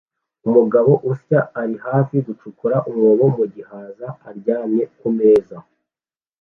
Umugabo usya ari hafi gucukura umwobo mu gihaza aryamye kumeza